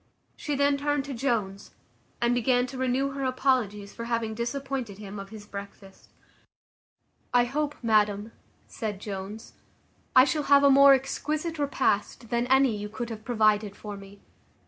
She then turned to Jones, and began to renew her apologies for having disappointed him of his breakfast. "I hope, madam," said Jones, "I shall have a more exquisite repast than any you could have provided for me.